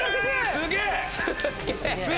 すげえ！